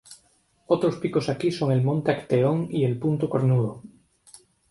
Otros picos aquí son el monte Acteón y el Punto Cornudo.